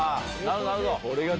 なるほど。